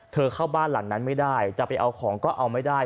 เข้าบ้านหลังนั้นไม่ได้จะไปเอาของก็เอาไม่ได้